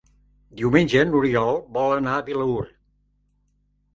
Diumenge n'Oriol vol anar a Vilaür.